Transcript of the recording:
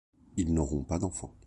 Ils n’auront pas d’enfant.